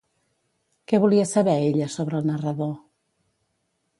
Què volia saber ella sobre el narrador?